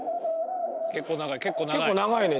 結構長いね。